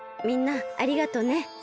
みんなありがとね。